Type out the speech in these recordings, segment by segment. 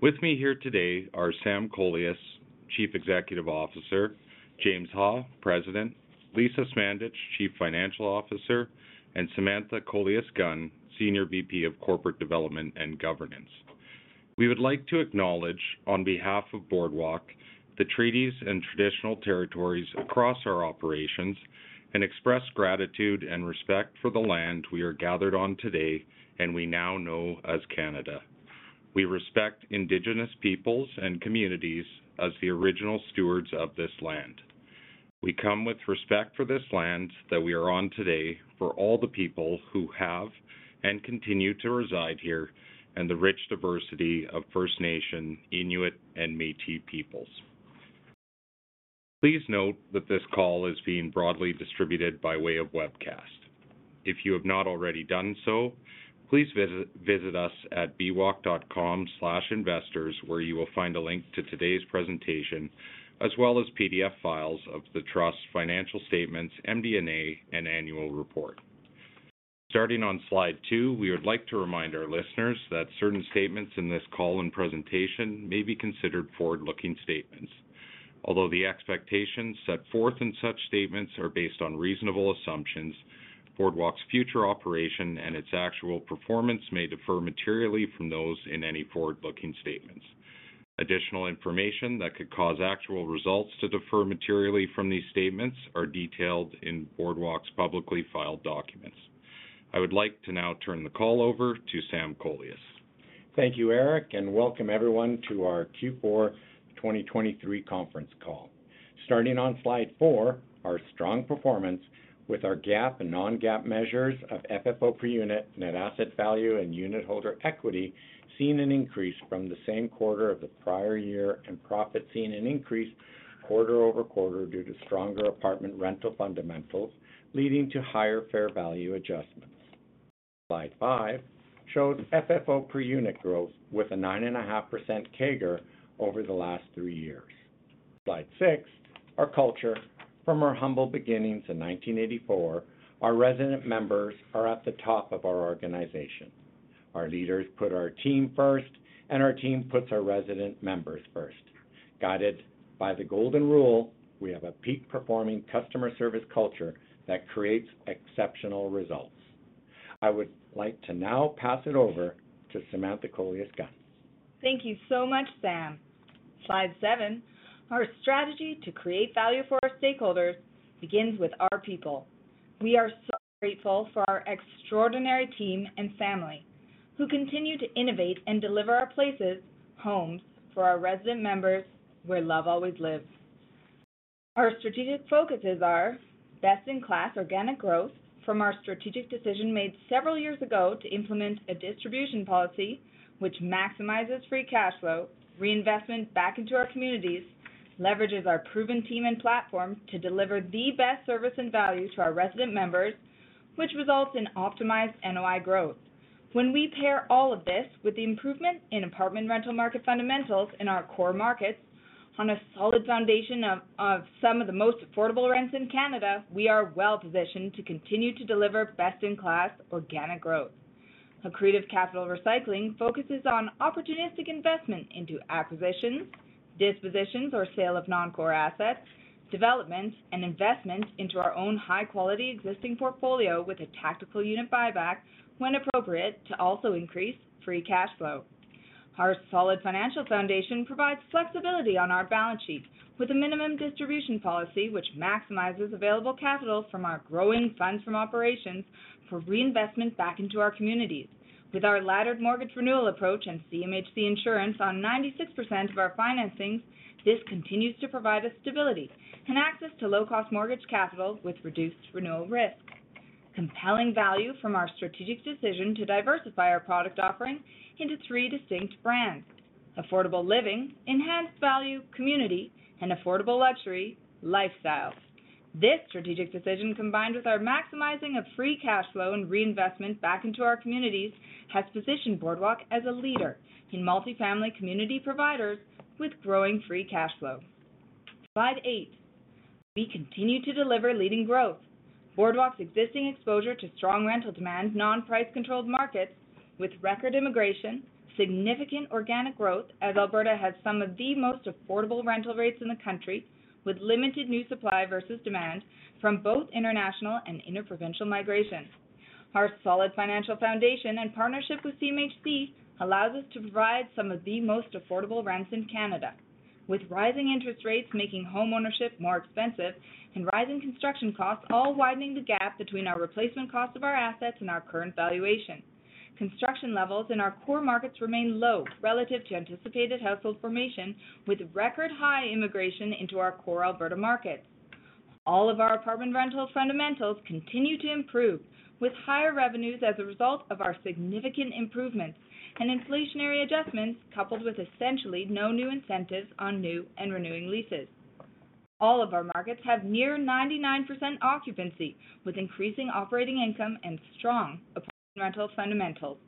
With me here today are Sam Kolias, Chief Executive Officer, James Ha, President, Lisa Smandych, Chief Financial Officer, and Samantha Kolias-Gunn, Senior VP of Corporate Development and Governance. We would like to acknowledge, on behalf of Boardwalk, the treaties and traditional territories across our operations, and express gratitude and respect for the land we are gathered on today and we now know as Canada. We respect Indigenous peoples and communities as the original stewards of this land. We come with respect for this land that we are on today for all the people who have and continue to reside here and the rich diversity of First Nation, Inuit, and Métis peoples. Please note that this call is being broadly distributed by way of webcast. If you have not already done so, please visit us at bwalk.com/investors where you will find a link to today's presentation as well as PDF files of the Trust's financial statements, MD&A, and annual report. Starting on slide two, we would like to remind our listeners that certain statements in this call and presentation may be considered forward-looking statements. Although the expectations set forth in such statements are based on reasonable assumptions, Boardwalk's future operation and its actual performance may differ materially from those in any forward-looking statements. Additional information that could cause actual results to differ materially from these statements are detailed in Boardwalk's publicly filed documents. I would like to now turn the call over to Sam Kolias. Thank you, Eric, and welcome everyone to our Q4 2023 conference call. Starting on slide 4 are strong performance with our GAAP and non-GAAP measures of FFO per unit, net asset value, and unit holder equity seen an increase from the same quarter of the prior year and profit seen an increase quarter-over-quarter due to stronger apartment rental fundamentals leading to higher fair value adjustments. Slide 5 shows FFO per unit growth with a 9.5% CAGR over the last 3 years. Slide 6 are culture. From our humble beginnings in 1984, our resident members are at the top of our organization. Our leaders put our team first, and our team puts our resident members first. Guided by the golden rule, we have a peak performing customer service culture that creates exceptional results. I would like to now pass it over to Samantha Kolias-Gunn. Thank you so much, Sam. Slide 7, our strategy to create value for our stakeholders, begins with our people. We are so grateful for our extraordinary team and family who continue to innovate and deliver our places, homes, for our resident members where love always lives. Our strategic focuses are best-in-class organic growth from our strategic decision made several years ago to implement a distribution policy which maximizes free cash flow, reinvestment back into our communities, leverages our proven team and platform to deliver the best service and value to our resident members, which results in optimized NOI growth. When we pair all of this with the improvement in apartment rental market fundamentals in our core markets on a solid foundation of some of the most affordable rents in Canada, we are well positioned to continue to deliver best-in-class organic growth. Accretive capital recycling focuses on opportunistic investment into acquisitions, dispositions, or sale of non-core assets, development, and investment into our own high-quality existing portfolio with a tactical unit buyback when appropriate to also increase free cash flow. Our solid financial foundation provides flexibility on our balance sheet with a minimum distribution policy which maximizes available capital from our growing funds from operations for reinvestment back into our communities. With our laddered mortgage renewal approach and CMHC insurance on 96% of our financings, this continues to provide us stability and access to low-cost mortgage capital with reduced renewal risk. Compelling value from our strategic decision to diversify our product offering into three distinct brands: affordable living, enhanced value, community, and affordable luxury lifestyles. This strategic decision, combined with our maximizing of free cash flow and reinvestment back into our communities, has positioned Boardwalk as a leader in multifamily community providers with growing free cash flow. Slide 8, we continue to deliver leading growth. Boardwalk's existing exposure to strong rental demand non-price controlled markets with record immigration, significant organic growth as Alberta has some of the most affordable rental rates in the country with limited new supply versus demand from both international and interprovincial migration. Our solid financial foundation and partnership with CMHC allows us to provide some of the most affordable rents in Canada, with rising interest rates making homeownership more expensive and rising construction costs all widening the gap between our replacement cost of our assets and our current valuation. Construction levels in our core markets remain low relative to anticipated household formation, with record high immigration into our core Alberta markets. All of our apartment rental fundamentals continue to improve with higher revenues as a result of our significant improvements and inflationary adjustments coupled with essentially no new incentives on new and renewing leases. All of our markets have near 99% occupancy with increasing operating income and strong apartment rental fundamentals.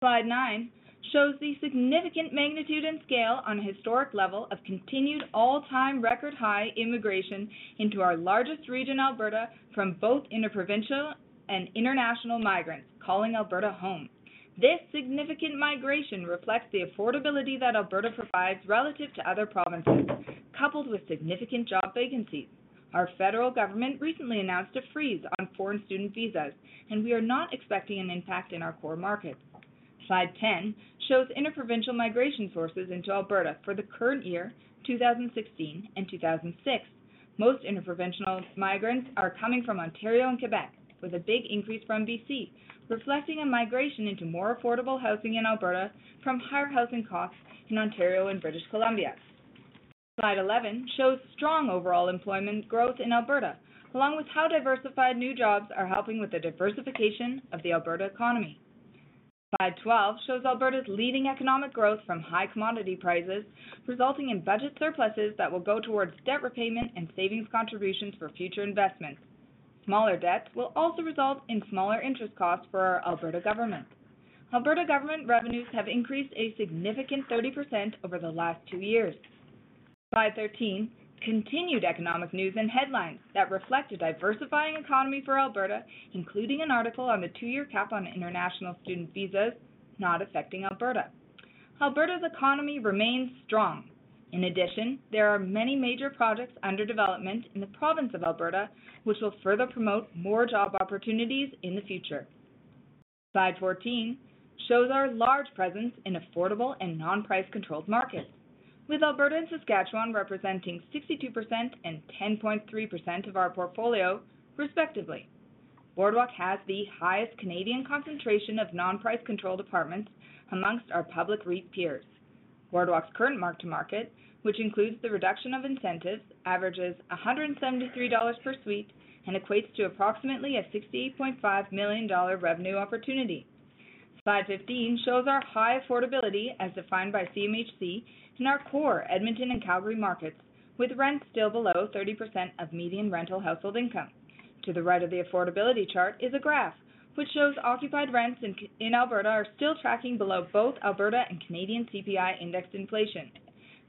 Slide 9 shows the significant magnitude and scale on a historic level of continued all-time record high immigration into our largest region, Alberta, from both interprovincial and international migrants calling Alberta home. This significant migration reflects the affordability that Alberta provides relative to other provinces, coupled with significant job vacancies. Our federal government recently announced a freeze on foreign student visas, and we are not expecting an impact in our core markets. Slide 10 shows interprovincial migration sources into Alberta for the current year, 2016 and 2006. Most interprovincial migrants are coming from Ontario and Quebec, with a big increase from BC, reflecting a migration into more affordable housing in Alberta from higher housing costs in Ontario and British Columbia. Slide 11 shows strong overall employment growth in Alberta, along with how diversified new jobs are helping with the diversification of the Alberta economy. Slide 12 shows Alberta's leading economic growth from high commodity prices, resulting in budget surpluses that will go towards debt repayment and savings contributions for future investments. Smaller debts will also result in smaller interest costs for our Alberta government. Alberta government revenues have increased a significant 30% over the last two years. Slide 13, continued economic news and headlines that reflect a diversifying economy for Alberta, including an article on the two-year cap on international student visas not affecting Alberta. Alberta's economy remains strong. In addition, there are many major projects under development in the province of Alberta, which will further promote more job opportunities in the future. Slide 14 shows our large presence in affordable and non-price controlled markets, with Alberta and Saskatchewan representing 62% and 10.3% of our portfolio, respectively. Boardwalk has the highest Canadian concentration of non-price controlled apartments amongst our public REIT peers. Boardwalk's current mark-to-market, which includes the reduction of incentives, averages 173 dollars per suite and equates to approximately a 68.5 million dollar revenue opportunity. Slide 15 shows our high affordability as defined by CMHC in our core Edmonton and Calgary markets, with rents still below 30% of median rental household income. To the right of the affordability chart is a graph which shows occupied rents in Alberta are still tracking below both Alberta and Canadian CPI index inflation.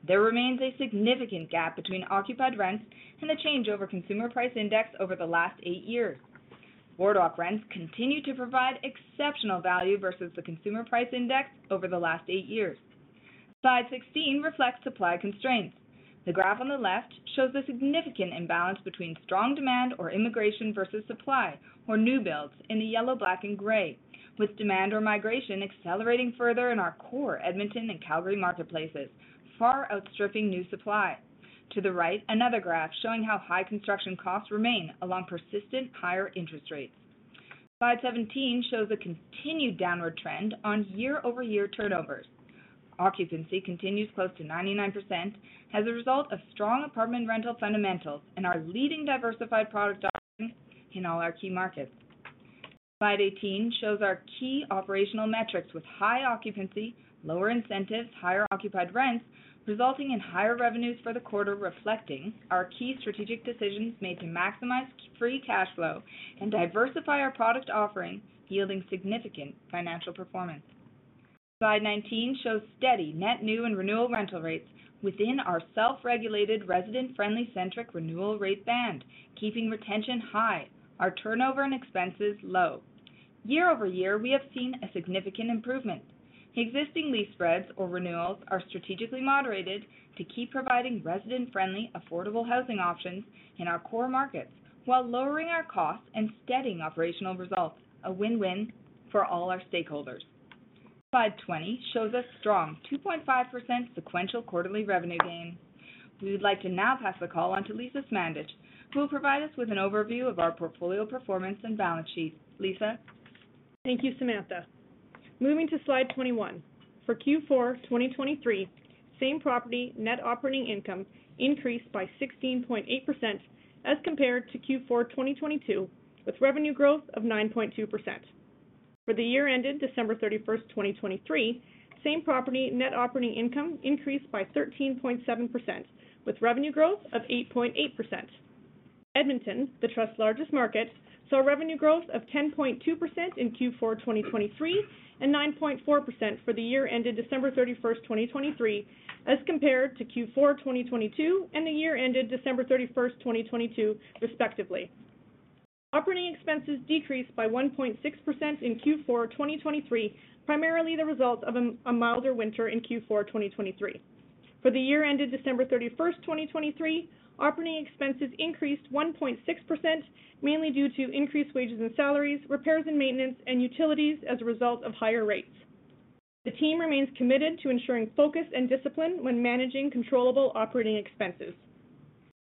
There remains a significant gap between occupied rents and the change over Consumer Price Index over the last eight years. Boardwalk rents continue to provide exceptional value versus the Consumer Price Index over the last eight years. Slide 16 reflects supply constraints. The graph on the left shows a significant imbalance between strong demand or immigration versus supply, or new builds, in the yellow, black, and gray, with demand or migration accelerating further in our core Edmonton and Calgary marketplaces, far outstripping new supply. To the right, another graph showing how high construction costs remain along persistent higher interest rates. Slide 17 shows a continued downward trend on year-over-year turnovers. Occupancy continues close to 99% as a result of strong apartment rental fundamentals and our leading diversified product offering in all our key markets. Slide 18 shows our key operational metrics with high occupancy, lower incentives, higher occupied rents, resulting in higher revenues for the quarter, reflecting our key strategic decisions made to maximize free cash flow and diversify our product offering, yielding significant financial performance. Slide 19 shows steady net new and renewal rental rates within our self-regulated resident-friendly-centric renewal rate band, keeping retention high, our turnover, and expenses low. Year-over-year, we have seen a significant improvement. Existing lease spreads, or renewals, are strategically moderated to keep providing resident-friendly, affordable housing options in our core markets while lowering our costs and steadying operational results, a win-win for all our stakeholders. Slide 20 shows a strong 2.5% sequential quarterly revenue gain. We would like to now pass the call on to Lisa Smandych, who will provide us with an overview of our portfolio performance and balance sheet. Lisa. Thank you, Samantha. Moving to slide 21. For Q4 2023, same property net operating income increased by 16.8% as compared to Q4 2022, with revenue growth of 9.2%. For the year ended December 31st, 2023, same property net operating income increased by 13.7%, with revenue growth of 8.8%. Edmonton, the Trust's largest market, saw revenue growth of 10.2% in Q4 2023 and 9.4% for the year ended December 31st, 2023, as compared to Q4 2022 and the year ended December 31st, 2022, respectively. Operating expenses decreased by 1.6% in Q4 2023, primarily the result of a milder winter in Q4 2023. For the year ended December 31st, 2023, operating expenses increased 1.6%, mainly due to increased wages and salaries, repairs and maintenance, and utilities as a result of higher rates. The team remains committed to ensuring focus and discipline when managing controllable operating expenses.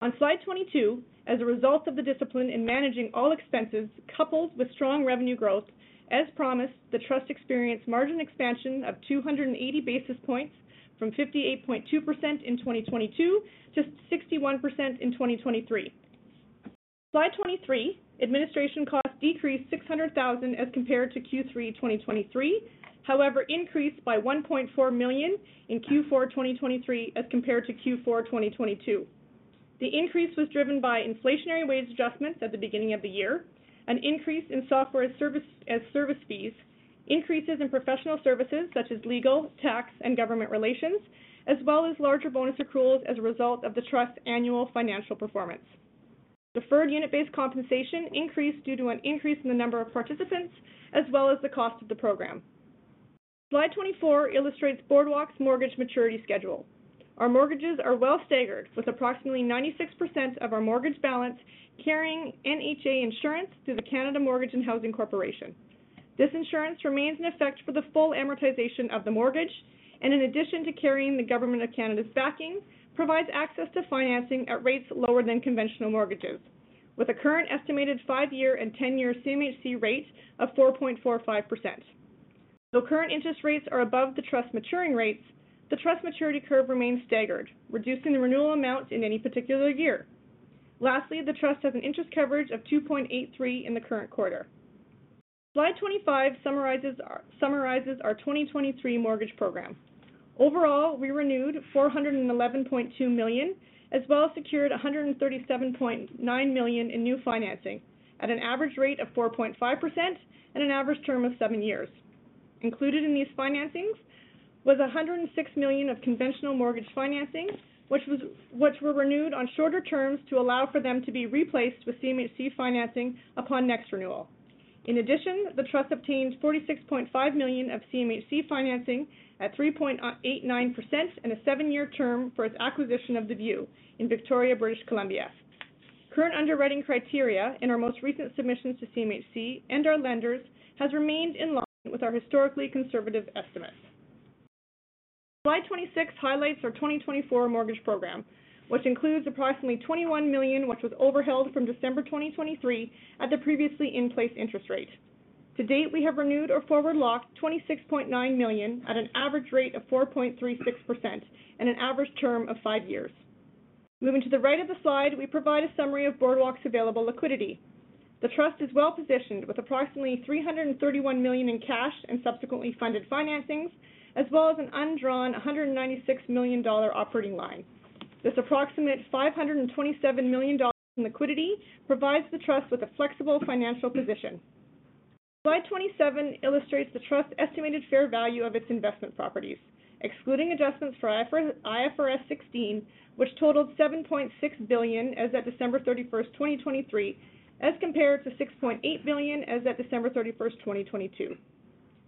On slide 22, as a result of the discipline in managing all expenses coupled with strong revenue growth, as promised, the Trust experienced margin expansion of 280 basis points from 58.2% in 2022 to 61% in 2023. Slide 23, administration costs decreased 600,000 as compared to Q3 2023, however, increased by 1.4 million in Q4 2023 as compared to Q4 2022. The increase was driven by inflationary wage adjustments at the beginning of the year, an increase in software as service fees, increases in professional services such as legal, tax, and government relations, as well as larger bonus accruals as a result of the Trust's annual financial performance. Deferred unit-based compensation increased due to an increase in the number of participants as well as the cost of the program. Slide 24 illustrates Boardwalk's mortgage maturity schedule. Our mortgages are well-staggered, with approximately 96% of our mortgage balance carrying NHA insurance through the Canada Mortgage and Housing Corporation. This insurance remains in effect for the full amortization of the mortgage and, in addition to carrying the Government of Canada's backing, provides access to financing at rates lower than conventional mortgages, with a current estimated 5-year and 10-year CMHC rate of 4.45%. Though current interest rates are above the Trust's maturing rates, the Trust's maturity curve remains staggered, reducing the renewal amount in any particular year. Lastly, the Trust has an interest coverage of 2.83% in the current quarter. Slide 25 summarizes our 2023 mortgage program. Overall, we renewed 411.2 million as well as secured 137.9 million in new financing at an average rate of 4.5% and an average term of 7 years. Included in these financings was 106 million of conventional mortgage financing, which were renewed on shorter terms to allow for them to be replaced with CMHC financing upon next renewal. In addition, the Trust obtained 46.5 million of CMHC financing at 3.89% and a 7-year term for its acquisition of The View in Victoria, British Columbia. Current underwriting criteria in our most recent submissions to CMHC and our lenders have remained in line with our historically conservative estimates. Slide 26 highlights our 2024 mortgage program, which includes approximately 21 million, which was overheld from December 2023 at the previously in-place interest rate. To date, we have renewed or forward-locked 26.9 million at an average rate of 4.36% and an average term of 5 years. Moving to the right of the slide, we provide a summary of Boardwalk's available liquidity. The Trust is well-positioned with approximately 331 million in cash and subsequently funded financings, as well as an undrawn 196 million dollar operating line. This approximate 527 million dollars in liquidity provides the Trust with a flexible financial position. Slide 27 illustrates the Trust's estimated fair value of its investment properties, excluding adjustments for IFRS 16, which totaled 7.6 billion as of December 31st, 2023, as compared to 6.8 billion as of December 31st, 2022.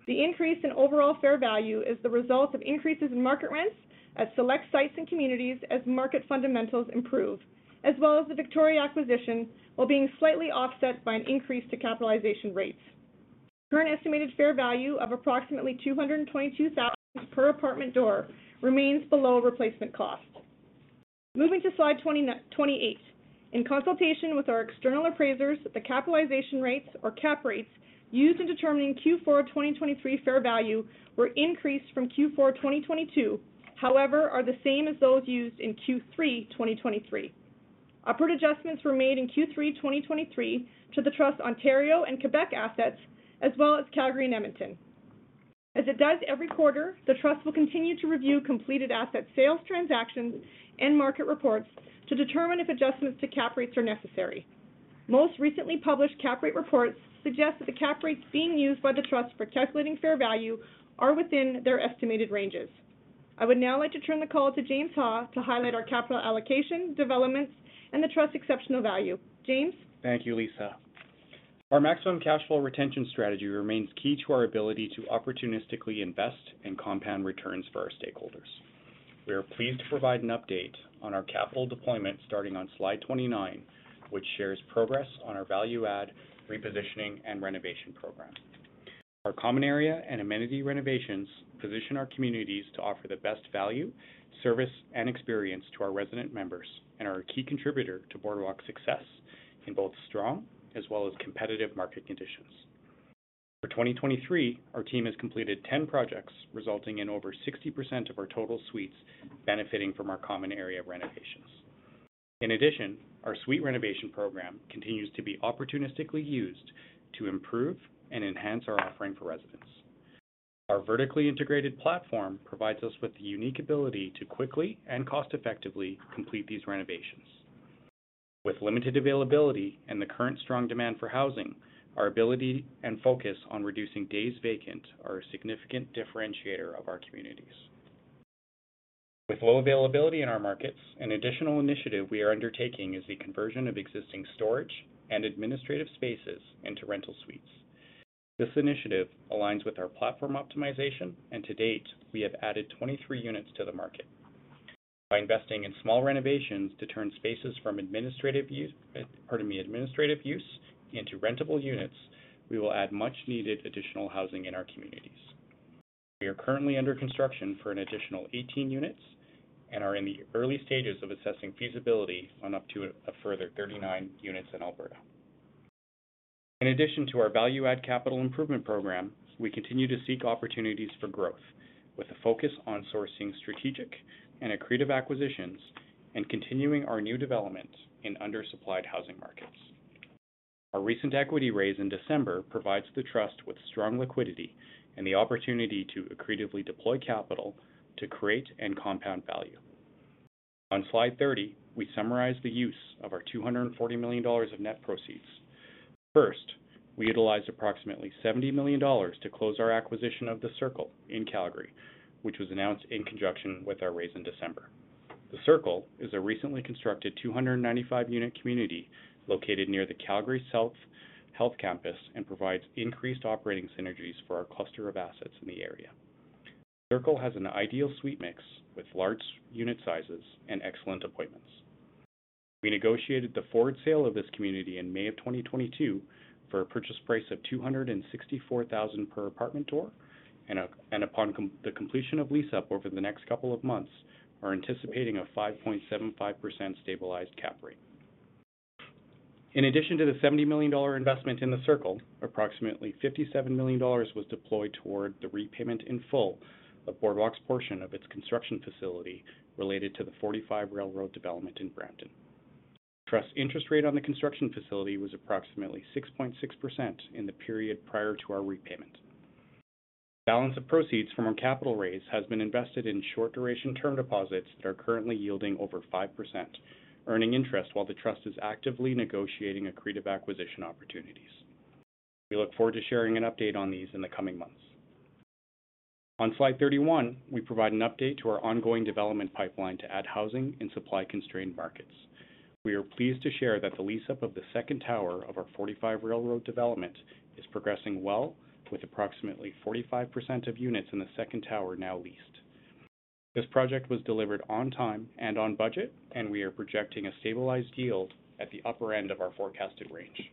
The increase in overall fair value is the result of increases in market rents at select sites and communities as market fundamentals improve, as well as the Victoria acquisition while being slightly offset by an increase to capitalization rates. Current estimated fair value of approximately 222,000 per apartment door remains below replacement cost. Moving to slide 28. In consultation with our external appraisers, the capitalization rates, or cap rates, used in determining Q4 2023 fair value were increased from Q4 2022, however, are the same as those used in Q3 2023. Operative adjustments were made in Q3 2023 to the Trust's Ontario and Quebec assets, as well as Calgary and Edmonton. As it does every quarter, the Trust will continue to review completed asset sales transactions and market reports to determine if adjustments to cap rates are necessary. Most recently published cap rate reports suggest that the cap rates being used by the Trust for calculating fair value are within their estimated ranges. I would now like to turn the call to James Ha to highlight our capital allocation, developments, and the Trust's exceptional value. James. Thank you, Lisa. Our maximum cash flow retention strategy remains key to our ability to opportunistically invest and compound returns for our stakeholders. We are pleased to provide an update on our capital deployment starting on slide 29, which shares progress on our value add, repositioning, and renovation program. Our common area and amenity renovations position our communities to offer the best value, service, and experience to our resident members and are a key contributor to Boardwalk's success in both strong as well as competitive market conditions. For 2023, our team has completed 10 projects, resulting in over 60% of our total suites benefiting from our common area renovations. In addition, our suite renovation program continues to be opportunistically used to improve and enhance our offering for residents. Our vertically integrated platform provides us with the unique ability to quickly and cost-effectively complete these renovations. With limited availability and the current strong demand for housing, our ability and focus on reducing days vacant are a significant differentiator of our communities. With low availability in our markets, an additional initiative we are undertaking is the conversion of existing storage and administrative spaces into rental suites. This initiative aligns with our platform optimization, and to date, we have added 23 units to the market. By investing in small renovations to turn spaces from administrative use pardon me, administrative use into rentable units, we will add much-needed additional housing in our communities. We are currently under construction for an additional 18 units and are in the early stages of assessing feasibility on up to further 39 units in Alberta. In addition to our value add capital improvement program, we continue to seek opportunities for growth with a focus on sourcing strategic and accretive acquisitions and continuing our new development in undersupplied housing markets. Our recent equity raise in December provides the Trust with strong liquidity and the opportunity to accretively deploy capital to create and compound value. On slide 30, we summarize the use of our 240 million dollars of net proceeds. First, we utilize approximately 70 million dollars to close our acquisition of The Circle in Calgary, which was announced in conjunction with our raise in December. The Circle is a recently constructed 295-unit community located near the Calgary South Health Campus and provides increased operating synergies for our cluster of assets in the area. The Circle has an ideal suite mix with large unit sizes and excellent appointments. We negotiated the forward sale of this community in May of 2022 for a purchase price of 264,000 per apartment door, and upon the completion of lease-up over the next couple of months, we are anticipating a 5.75% stabilized cap rate. In addition to the 70 million dollar investment in The Circle, approximately 57 million dollars was deployed toward the repayment in full of Boardwalk's portion of its construction facility related to the 45 Railroad development in Brampton. The Trust's interest rate on the construction facility was approximately 6.6% in the period prior to our repayment. The balance of proceeds from our capital raise has been invested in short-duration term deposits that are currently yielding over 5%, earning interest while the Trust is actively negotiating accretive acquisition opportunities. We look forward to sharing an update on these in the coming months. On slide 31, we provide an update to our ongoing development pipeline to add housing in supply-constrained markets. We are pleased to share that the lease-up of the second tower of our 45 Railroad development is progressing well, with approximately 45% of units in the second tower now leased. This project was delivered on time and on budget, and we are projecting a stabilized yield at the upper end of our forecasted range.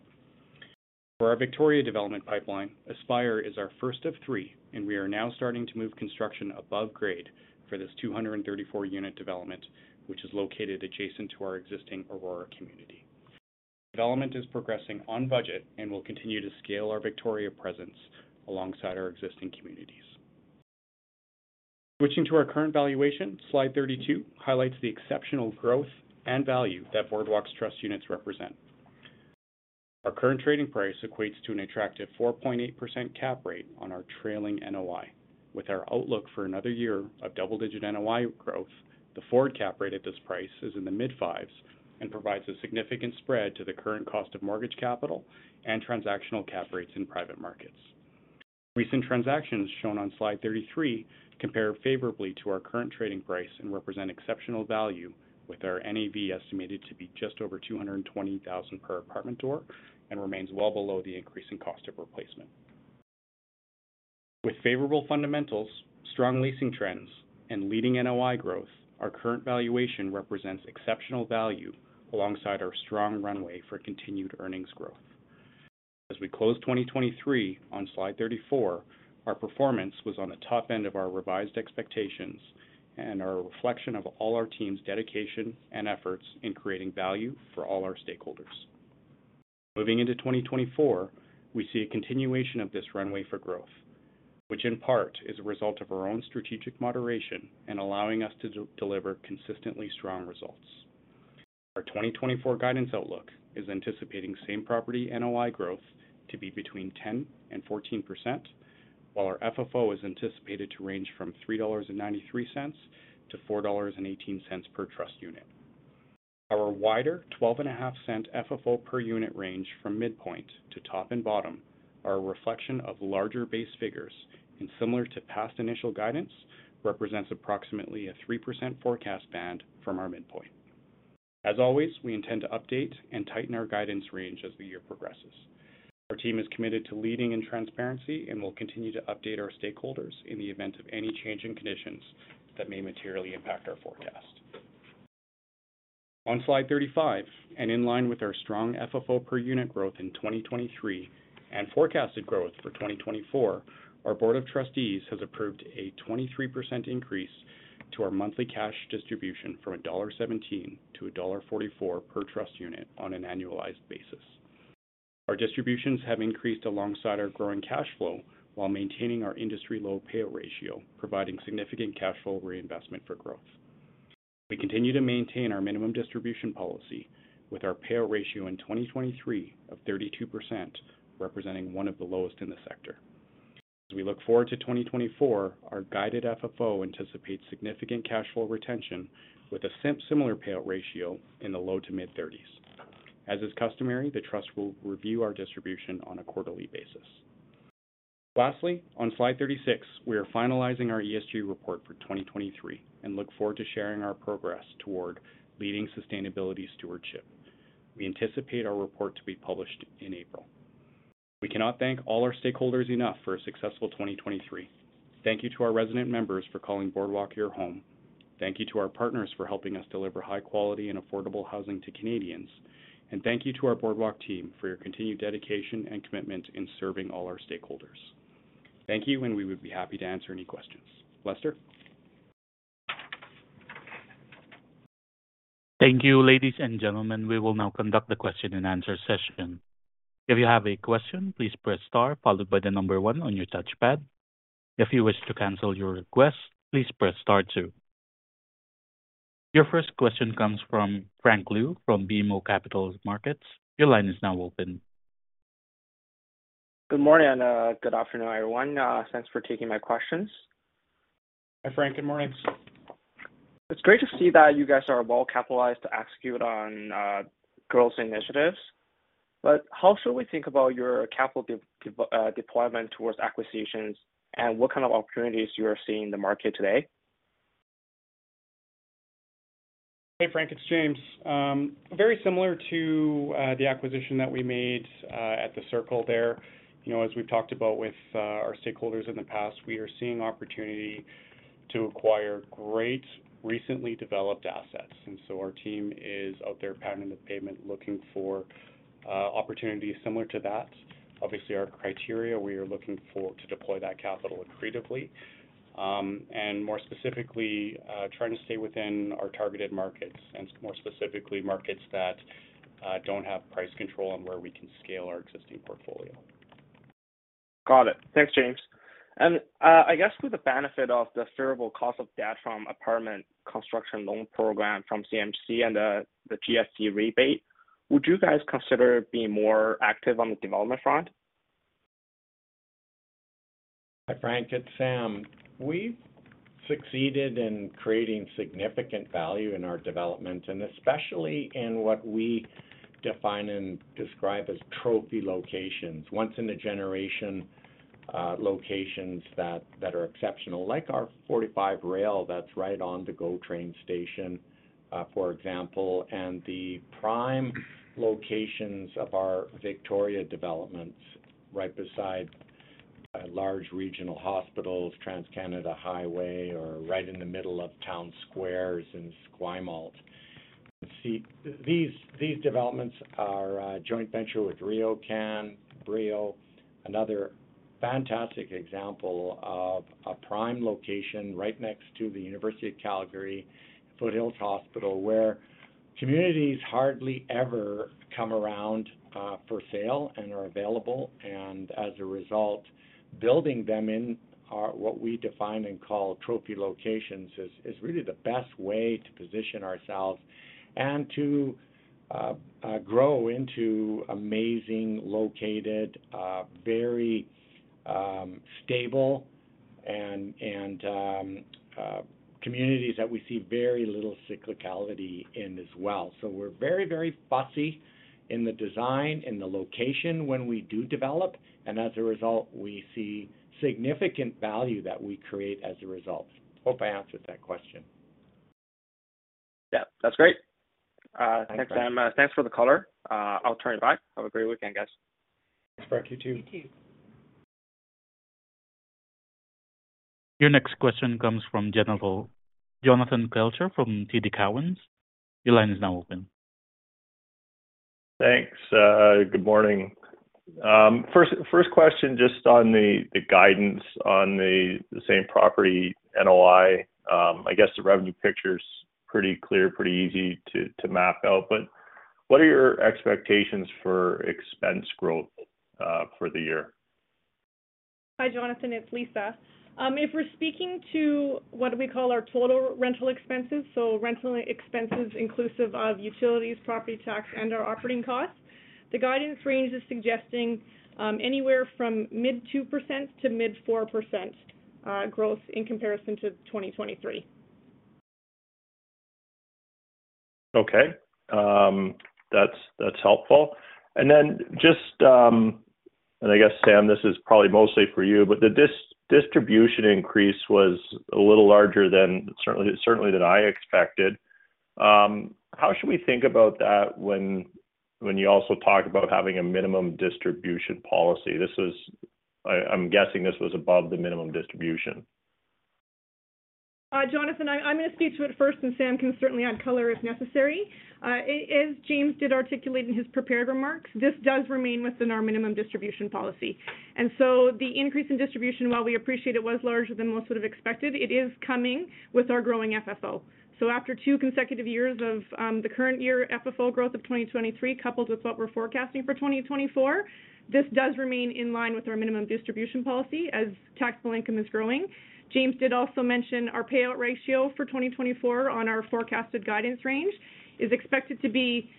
For our Victoria development pipeline, Aspire is our first of three, and we are now starting to move construction above grade for this 234-unit development, which is located adjacent to our existing Aurora community. The development is progressing on budget and will continue to scale our Victoria presence alongside our existing communities. Switching to our current valuation, slide 32 highlights the exceptional growth and value that Boardwalk's Trust units represent. Our current trading price equates to an attractive 4.8% cap rate on our trailing NOI. With our outlook for another year of double-digit NOI growth, the forward cap rate at this price is in the mid-fives and provides a significant spread to the current cost of mortgage capital and transactional cap rates in private markets. Recent transactions shown on slide 33 compare favorably to our current trading price and represent exceptional value, with our NAV estimated to be just over 220,000 per apartment door and remains well below the increasing cost of replacement. With favorable fundamentals, strong leasing trends, and leading NOI growth, our current valuation represents exceptional value alongside our strong runway for continued earnings growth. As we close 2023 on slide 34, our performance was on the top end of our revised expectations and a reflection of all our team's dedication and efforts in creating value for all our stakeholders. Moving into 2024, we see a continuation of this runway for growth, which in part is a result of our own strategic moderation and allowing us to deliver consistently strong results. Our 2024 guidance outlook is anticipating same property NOI growth to be between 10% and 14%, while our FFO is anticipated to range from 3.93-4.18 dollars per Trust unit. Our wider 0.125 FFO per unit range from midpoint to top and bottom are a reflection of larger base figures and, similar to past initial guidance, represents approximately a 3% forecast band from our midpoint. As always, we intend to update and tighten our guidance range as the year progresses. Our team is committed to leading in transparency and will continue to update our stakeholders in the event of any change in conditions that may materially impact our forecast. On slide 35, and in line with our strong FFO per unit growth in 2023 and forecasted growth for 2024, our Board of Trustees has approved a 23% increase to our monthly cash distribution from dollar 1.17 to dollar 1.44 per Trust unit on an annualized basis. Our distributions have increased alongside our growing cash flow while maintaining our industry-low payout ratio, providing significant cash flow reinvestment for growth. We continue to maintain our minimum distribution policy, with our payout ratio in 2023 of 32%, representing one of the lowest in the sector. As we look forward to 2024, our guided FFO anticipates significant cash flow retention with a similar payout ratio in the low to mid-thirties. As is customary, the Trust will review our distribution on a quarterly basis. Lastly, on slide 36, we are finalizing our ESG report for 2023 and look forward to sharing our progress toward leading sustainability stewardship. We anticipate our report to be published in April. We cannot thank all our stakeholders enough for a successful 2023. Thank you to our resident members for calling Boardwalk your home. Thank you to our partners for helping us deliver high-quality and affordable housing to Canadians. And thank you to our Boardwalk team for your continued dedication and commitment in serving all our stakeholders. Thank you, and we would be happy to answer any questions. Lester. Thank you, ladies and gentlemen. We will now conduct the question-and-answer session. If you have a question, please press star followed by the number one on your touchpad. If you wish to cancel your request, please press star two. Your first question comes from Frank Liu from BMO Capital Markets. Your line is now open. Good morning and good afternoon, everyone. Thanks for taking my questions. Hi, Frank. Good morning. It's great to see that you guys are well capitalized to execute on growth initiatives. But how should we think about your capital deployment towards acquisitions and what kind of opportunities you are seeing in the market today? Hey, Frank. It's James. Very similar to the acquisition that we made at The Circle there. As we've talked about with our stakeholders in the past, we are seeing opportunity to acquire great recently developed assets. And so our team is out there pounding the pavement looking for opportunities similar to that. Obviously, our criteria, we are looking for to deploy that capital accretively. And more specifically, trying to stay within our targeted markets and more specifically markets that don't have price control on where we can scale our existing portfolio. Got it. Thanks, James. And I guess with the benefit of the favorable cost of debt from Apartment Construction Loan Program from CMHC and the GST rebate, would you guys consider being more active on the development front? Hi, Frank. It's Sam. We've succeeded in creating significant value in our development and especially in what we define and describe as trophy locations, once-in-a-generation locations that are exceptional, like our 45 Railroad that's right on the GO Train Station, for example, and the prime locations of our Victoria developments right beside large regional hospitals, TransCanada Highway, or right in the middle of town squares in Esquimalt. These developments are joint venture with RioCan, Brio, another fantastic example of a prime location right next to the University of Calgary, Foothills Hospital, where communities hardly ever come around for sale and are available. As a result, building them in what we define and call trophy locations is really the best way to position ourselves and to grow into amazingly located, very stable communities that we see very little cyclicality in as well. We're very, very fussy in the design, in the location when we do develop. As a result, we see significant value that we create as a result. Hope I answered that question. Yeah. That's great. Thanks, Sam. Thanks for the caller. I'll turn it back. Have a great weekend, guys. Thanks, Frank. You too. You too. Your next question comes from analyst Jonathan Kelcher from TD Cowen. Your line is now open. Thanks. Good morning. First question just on the guidance on the same property NOI. I guess the revenue picture is pretty clear, pretty easy to map out. But what are your expectations for expense growth for the year? Hi, Jonathan. It's Lisa. If we're speaking to what we call our total rental expenses, so rental expenses inclusive of utilities, property tax, and our operating costs, the guidance range is suggesting anywhere from mid-2% to mid-4% growth in comparison to 2023. Okay. That's helpful. And then just, and I guess, Sam, this is probably mostly for you, but the distribution increase was a little larger than certainly than I expected. How should we think about that when you also talk about having a minimum distribution policy? I'm guessing this was above the minimum distribution. Jonathan, I'm going to speak to it first, and Sam can certainly add color if necessary. As James did articulate in his prepared remarks, this does remain within our minimum distribution policy. And so the increase in distribution, while we appreciate it was larger than most would have expected, it is coming with our growing FFO. So after two consecutive years of the current year FFO growth of 2023 coupled with what we're forecasting for 2024, this does remain in line with our minimum distribution policy as taxable income is growing. James did also mention our payout ratio for 2024 on our forecasted guidance range is expected to be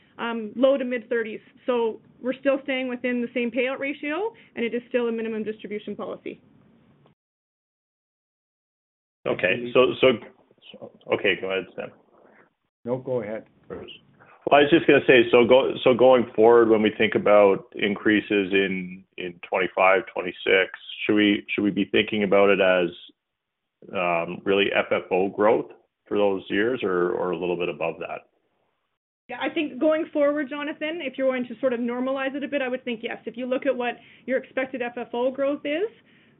low to mid-thirties. So we're still staying within the same payout ratio, and it is still a minimum distribution policy. Okay. So okay. Go ahead, Sam. No, go ahead. Well, I was just going to say, so going forward, when we think about increases in 2025, 2026, should we be thinking about it as really FFO growth for those years or a little bit above that? Yeah. I think going forward, Jonathan, if you're going to sort of normalize it a bit, I would think yes. If you look at what your expected FFO growth is,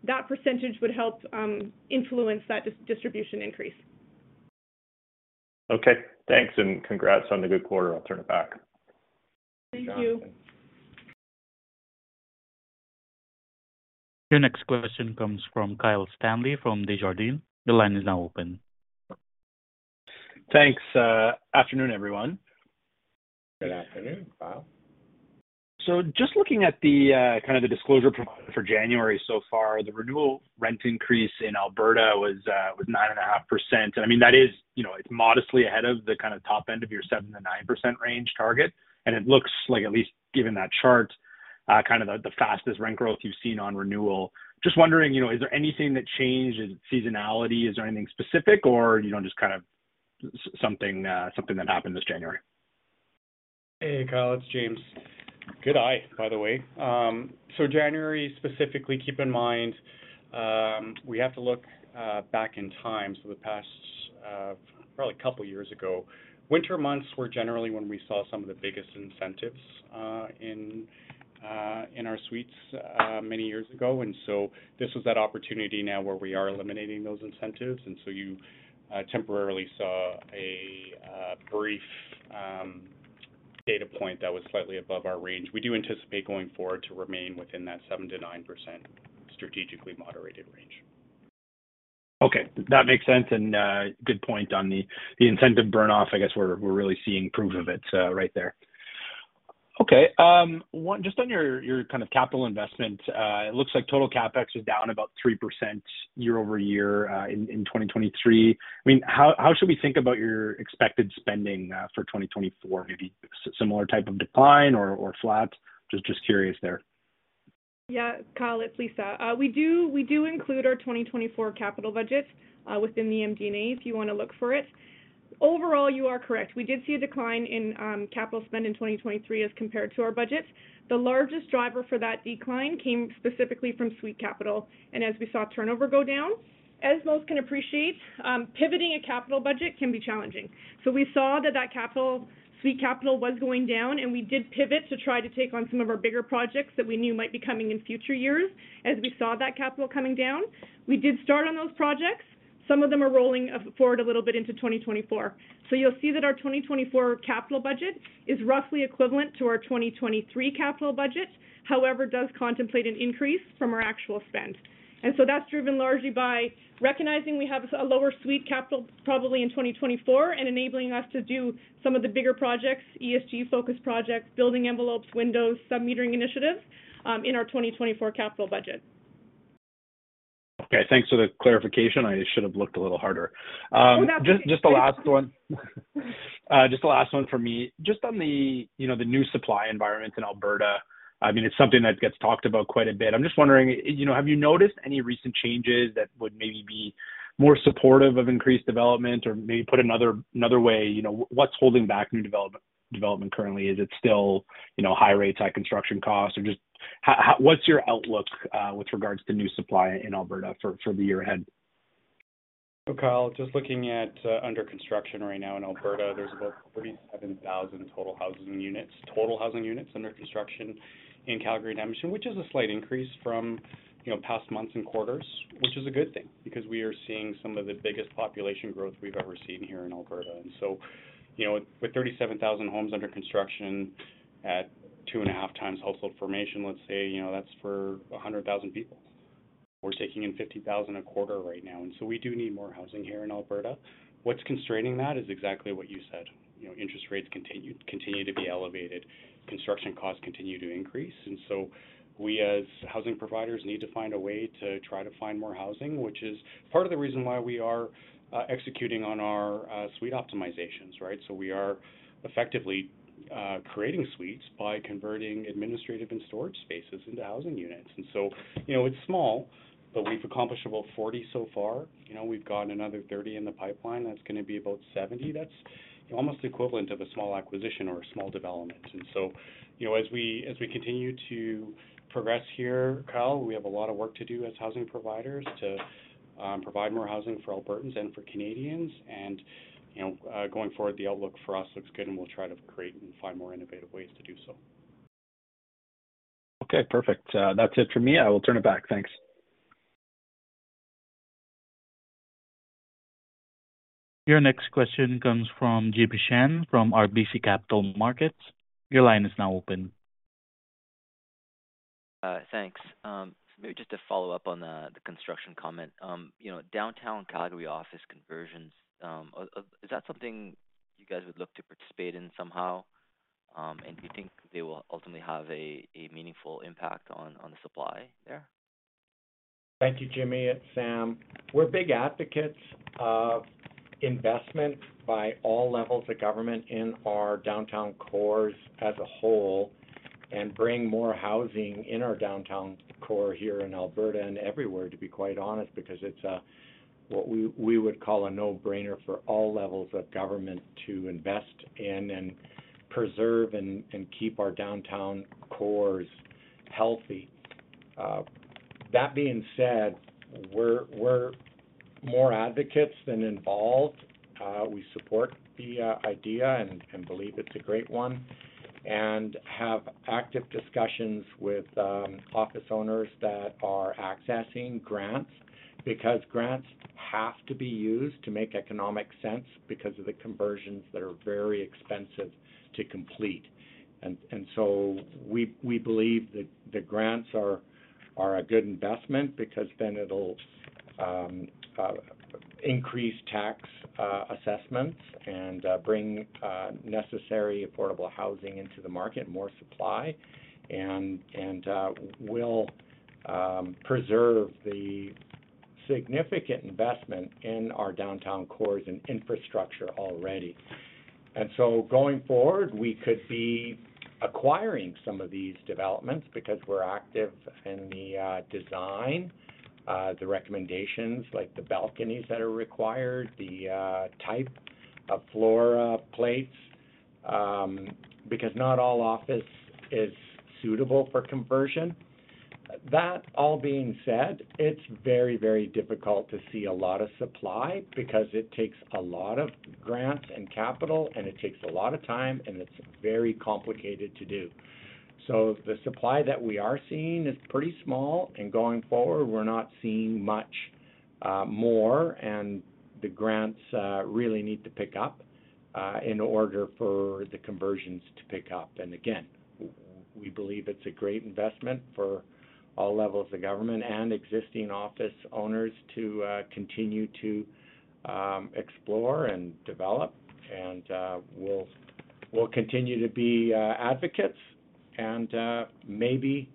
that percentage would help influence that distribution increase. Okay. Thanks and congrats on the good quarter. I'll turn it back. Thank you. Jonathan. Your next question comes from Kyle Stanley from Desjardins. Your line is now open. Thanks. Afternoon, everyone. Good afternoon, Kyle. So just looking at kind of the disclosure for January so far, the renewal rent increase in Alberta was 9.5%. And I mean, that is it's modestly ahead of the kind of top end of your 7%-9% range target. And it looks like, at least given that chart, kind of the fastest rent growth you've seen on renewal. Just wondering, is there anything that changed? Is it seasonality? Is there anything specific, or just kind of something that happened this January? Hey, Kyle. It's James. Good eye, by the way. So January specifically, keep in mind we have to look back in time. So the past probably couple of years ago, winter months were generally when we saw some of the biggest incentives in our suites many years ago. And so this was that opportunity now where we are eliminating those incentives. And so you temporarily saw a brief data point that was slightly above our range. We do anticipate going forward to remain within that 7%-9% strategically moderated range. Okay. That makes sense. Good point on the incentive burn-off. I guess we're really seeing proof of it right there. Okay. Just on your kind of capital investment, it looks like total CapEx is down about 3% year-over-year in 2023. I mean, how should we think about your expected spending for 2024? Maybe similar type of decline or flat? Just curious there. Yeah, Kyle. It's Lisa. We do include our 2024 capital budget within the MD&A if you want to look for it. Overall, you are correct. We did see a decline in capital spend in 2023 as compared to our budget. The largest driver for that decline came specifically from suite capital. And as we saw turnover go down, as most can appreciate, pivoting a capital budget can be challenging. So we saw that that suite capital was going down, and we did pivot to try to take on some of our bigger projects that we knew might be coming in future years as we saw that capital coming down. We did start on those projects. Some of them are rolling forward a little bit into 2024. You'll see that our 2024 capital budget is roughly equivalent to our 2023 capital budget, however, does contemplate an increase from our actual spend. That's driven largely by recognizing we have a lower suite capital program in 2024 and enabling us to do some of the bigger projects, ESG-focused projects, building envelopes, windows, submetering initiatives in our 2024 capital budget. Okay. Thanks for the clarification. I should have looked a little harder. Oh, that's fine. Just the last one. Just the last one for me. Just on the new supply environment in Alberta, I mean, it's something that gets talked about quite a bit. I'm just wondering, have you noticed any recent changes that would maybe be more supportive of increased development or maybe put another way, what's holding back new development currently? Is it still high rates, high construction costs? Or just what's your outlook with regards to new supply in Alberta for the year ahead? So, Kyle, just looking at under construction right now in Alberta, there's about 37,000 total housing units, total housing units under construction in Calgary-Edmonton, which is a slight increase from past months and quarters, which is a good thing because we are seeing some of the biggest population growth we've ever seen here in Alberta. And so with 37,000 homes under construction at 2.5 times household formation, let's say, that's for 100,000 people. We're taking in 50,000 a quarter right now. And so we do need more housing here in Alberta. What's constraining that is exactly what you said. Interest rates continue to be elevated. Construction costs continue to increase. And so we, as housing providers, need to find a way to try to find more housing, which is part of the reason why we are executing on our suite optimizations, right? So we are effectively creating suites by converting administrative and storage spaces into housing units. And so it's small, but we've accomplished about 40 so far. We've got another 30 in the pipeline. That's going to be about 70. That's almost equivalent to a small acquisition or a small development. And so as we continue to progress here, Kyle, we have a lot of work to do as housing providers to provide more housing for Albertans and for Canadians. And going forward, the outlook for us looks good, and we'll try to create and find more innovative ways to do so. Okay. Perfect. That's it from me. I will turn it back. Thanks. Your next question comes from Jimmy Shan from RBC Capital Markets. Your line is now open. Thanks. Maybe just to follow up on the construction comment, downtown Calgary office conversions, is that something you guys would look to participate in somehow? And do you think they will ultimately have a meaningful impact on the supply there? Thank you, Jimmy. It's Sam. We're big advocates of investment by all levels of government in our downtown cores as a whole and bring more housing in our downtown core here in Alberta and everywhere, to be quite honest, because it's what we would call a no-brainer for all levels of government to invest in and preserve and keep our downtown cores healthy. That being said, we're more advocates than involved. We support the idea and believe it's a great one and have active discussions with office owners that are accessing grants because grants have to be used to make economic sense because of the conversions that are very expensive to complete. We believe that the grants are a good investment because then it'll increase tax assessments and bring necessary affordable housing into the market, more supply, and will preserve the significant investment in our downtown cores and infrastructure already. So going forward, we could be acquiring some of these developments because we're active in the design, the recommendations like the balconies that are required, the type of floor plates, because not all office is suitable for conversion. That all being said, it's very, very difficult to see a lot of supply because it takes a lot of grants and capital, and it takes a lot of time, and it's very complicated to do. So the supply that we are seeing is pretty small. And going forward, we're not seeing much more. And the grants really need to pick up in order for the conversions to pick up. Again, we believe it's a great investment for all levels of government and existing office owners to continue to explore and develop. We'll continue to be advocates and maybe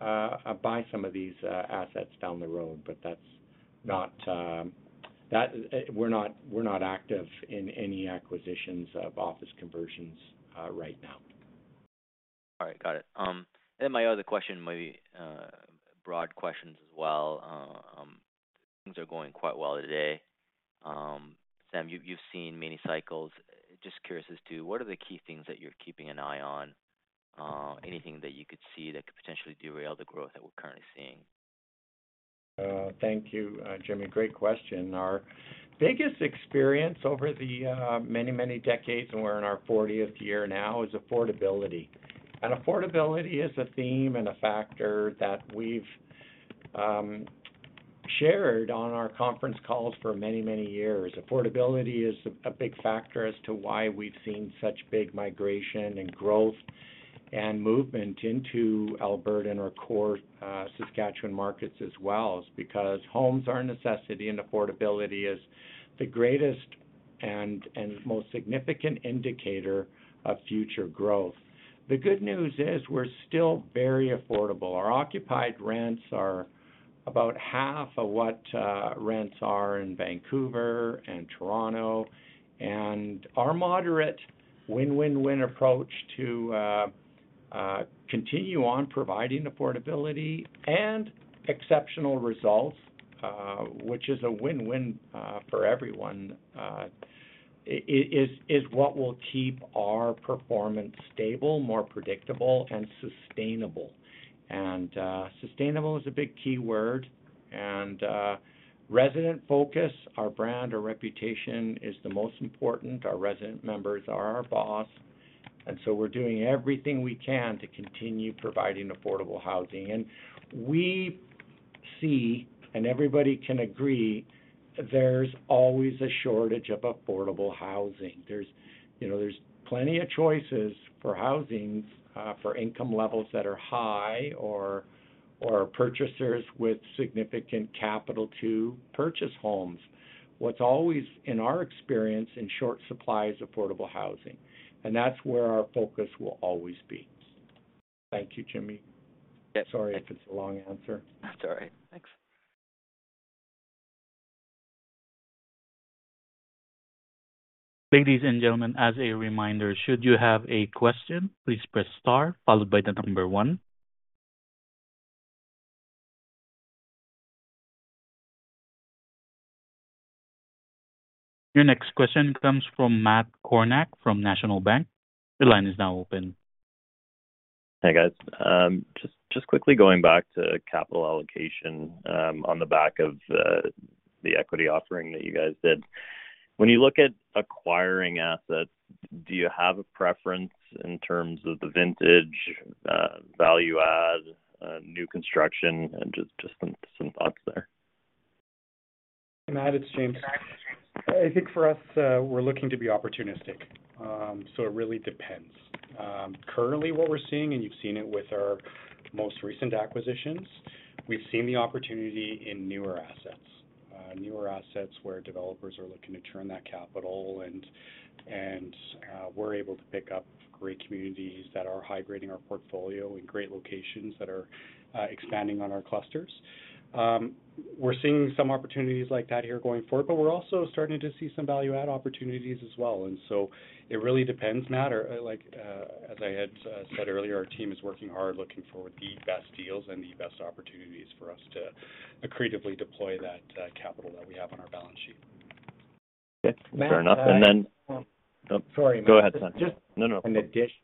buy some of these assets down the road. But we're not active in any acquisitions of office conversions right now. All right. Got it. And then my other question, maybe broad questions as well. Things are going quite well today. Sam, you've seen many cycles. Just curious as to what are the key things that you're keeping an eye on? Anything that you could see that could potentially derail the growth that we're currently seeing? Thank you, Jimmy. Great question. Our biggest experience over the many, many decades - and we're in our 40th year now - is affordability. Affordability is a theme and a factor that we've shared on our conference calls for many, many years. Affordability is a big factor as to why we've seen such big migration and growth and movement into Alberta and our core Saskatchewan markets as well because homes are a necessity, and affordability is the greatest and most significant indicator of future growth. The good news is we're still very affordable. Our occupied rents are about half of what rents are in Vancouver and Toronto. Our moderate win-win-win approach to continue on providing affordability and exceptional results, which is a win-win for everyone, is what will keep our performance stable, more predictable, and sustainable. Sustainable is a big key word. Resident focus, our brand, our reputation is the most important. Our resident members are our boss. And so we're doing everything we can to continue providing affordable housing. And we see, and everybody can agree, there's always a shortage of affordable housing. There's plenty of choices for housing for income levels that are high or purchasers with significant capital to purchase homes. What's always in our experience in short supply is affordable housing. And that's where our focus will always be. Thank you, Jimmy. Sorry if it's a long answer. That's all right. Thanks. Ladies and gentlemen, as a reminder, should you have a question, please press star followed by the number one. Your next question comes from Matt Kornack from National Bank. Your line is now open. Hey, guys. Just quickly going back to capital allocation on the back of the equity offering that you guys did. When you look at acquiring assets, do you have a preference in terms of the vintage, value add, new construction? And just some thoughts there. Matt, it's James. I think for us, we're looking to be opportunistic. So it really depends. Currently, what we're seeing - and you've seen it with our most recent acquisitions - we've seen the opportunity in newer assets, newer assets where developers are looking to turn that capital. And we're able to pick up great communities that are high-grading our portfolio in great locations that are expanding on our clusters. We're seeing some opportunities like that here going forward, but we're also starting to see some value add opportunities as well. And so it really depends, Matt. As I had said earlier, our team is working hard looking for the best deals and the best opportunities for us to creatively deploy that capital that we have on our balance sheet. Okay. Fair enough. And then. Sorry, Matt. Go ahead, Sam. No, no, no. In addition,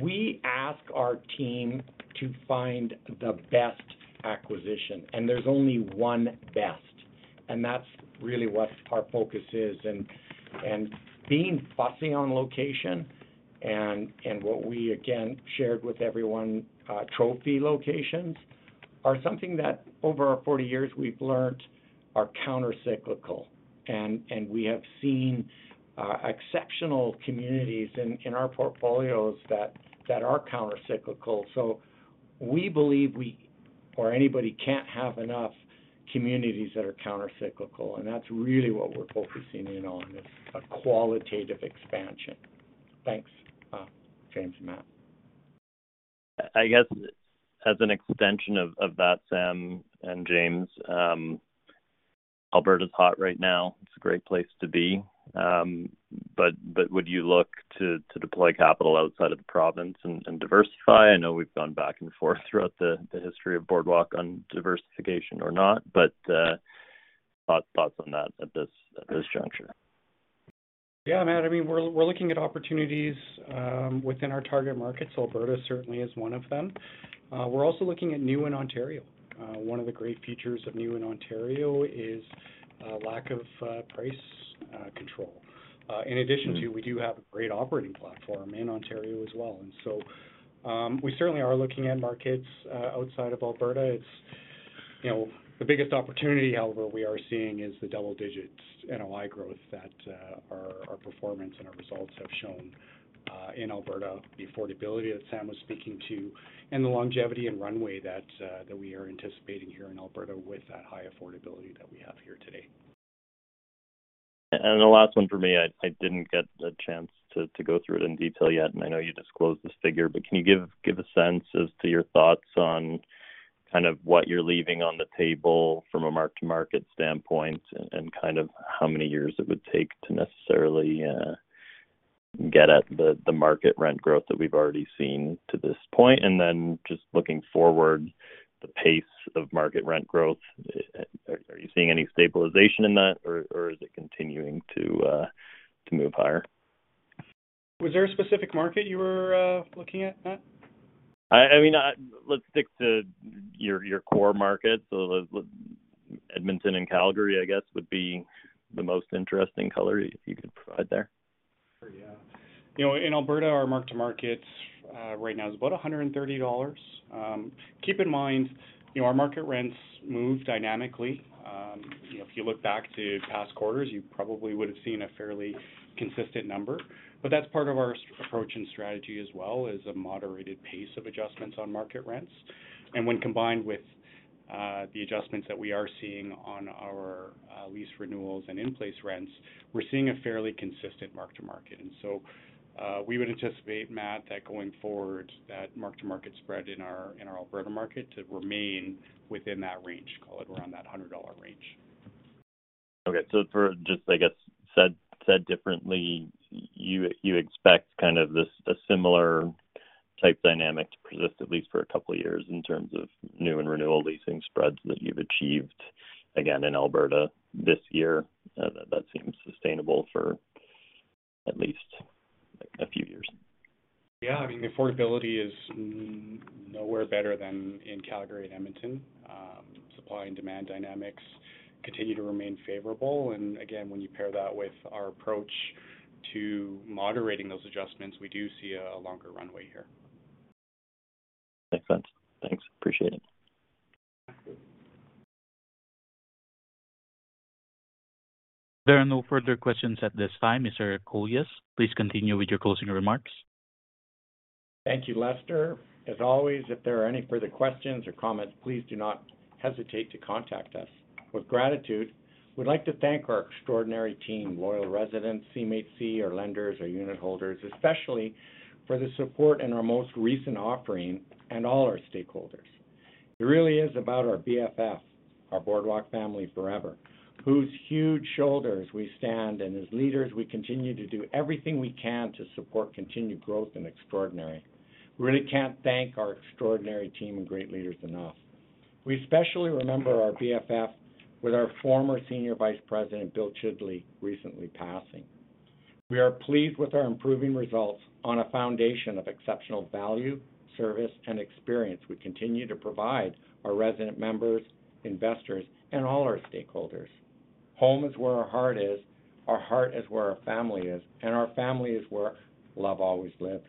we ask our team to find the best acquisition. There's only one best. That's really what our focus is. Being fussy on location and what we, again, shared with everyone, trophy locations are something that over our 40 years, we've learned are countercyclical. We have seen exceptional communities in our portfolios that are countercyclical. We believe we or anybody can't have enough communities that are countercyclical. That's really what we're focusing in on is a qualitative expansion. Thanks, James and Matt. I guess as an extension of that, Sam and James, Alberta's hot right now. It's a great place to be. But would you look to deploy capital outside of the province and diversify? I know we've gone back and forth throughout the history of Boardwalk on diversification or not, but thoughts on that at this juncture? Yeah, Matt. I mean, we're looking at opportunities within our target markets. Alberta certainly is one of them. We're also looking at new in Ontario. One of the great features of new in Ontario is lack of price control. In addition to, we do have a great operating platform in Ontario as well. And so we certainly are looking at markets outside of Alberta. The biggest opportunity, however, we are seeing is the double-digit NOI growth that our performance and our results have shown in Alberta, the affordability that Sam was speaking to, and the longevity and runway that we are anticipating here in Alberta with that high affordability that we have here today. The last one for me, I didn't get a chance to go through it in detail yet. I know you disclosed this figure, but can you give a sense as to your thoughts on kind of what you're leaving on the table from a mark-to-market standpoint and kind of how many years it would take to necessarily get at the market rent growth that we've already seen to this point? Then just looking forward, the pace of market rent growth, are you seeing any stabilization in that, or is it continuing to move higher? Was there a specific market you were looking at, Matt? I mean, let's stick to your core market. So Edmonton and Calgary, I guess, would be the most interesting color if you could provide there. Sure. Yeah. In Alberta, our mark-to-market right now is about 130 dollars. Keep in mind, our market rents move dynamically. If you look back to past quarters, you probably would have seen a fairly consistent number. But that's part of our approach and strategy as well, is a moderated pace of adjustments on market rents. And when combined with the adjustments that we are seeing on our lease renewals and in-place rents, we're seeing a fairly consistent mark-to-market. And so we would anticipate, Matt, that going forward, that mark-to-market spread in our Alberta market to remain within that range. Call it we're on that 100 dollar range. Okay. So just, I guess, said differently, you expect kind of a similar type dynamic to persist at least for a couple of years in terms of new and renewal leasing spreads that you've achieved, again, in Alberta this year that seems sustainable for at least a few years. Yeah. I mean, the affordability is nowhere better than in Calgary and Edmonton. Supply and demand dynamics continue to remain favorable. And again, when you pair that with our approach to moderating those adjustments, we do see a longer runway here. Makes sense. Thanks. Appreciate it. There are no further questions at this time. Mr. Kolias, please continue with your closing remarks. Thank you, Lester. As always, if there are any further questions or comments, please do not hesitate to contact us. With gratitude, we'd like to thank our extraordinary team, loyal residents, CMHC, our lenders, our unit holders, especially for the support in our most recent offering, and all our stakeholders. It really is about our BFF, our Boardwalk Family Forever, whose huge shoulders we stand and as leaders, we continue to do everything we can to support continued growth and extraordinary. We really can't thank our extraordinary team and great leaders enough. We especially remember our BFF with our former Senior Vice President, Bill Chidley, recently passing. We are pleased with our improving results on a foundation of exceptional value, service, and experience we continue to provide our resident members, investors, and all our stakeholders. Home is where our heart is. Our heart is where our family is. And our family is where love always lives.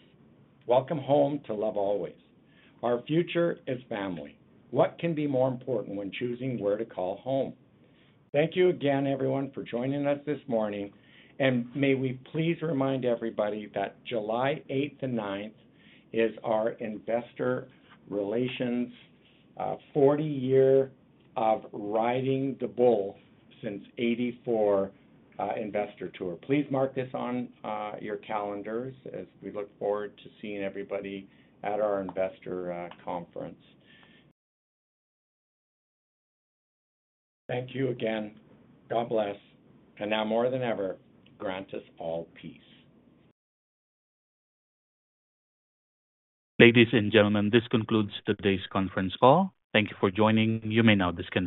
Welcome home to Love Always. Our future is family. What can be more important when choosing where to call home? Thank you again, everyone, for joining us this morning. And may we please remind everybody that July 8th and 9th is our investor relations 40-year of riding the bull since 1984 investor tour. Please mark this on your calendars as we look forward to seeing everybody at our investor conference. Thank you again. God bless. And now more than ever, grant us all peace. Ladies and gentlemen, this concludes today's conference call. Thank you for joining. You may now disconnect.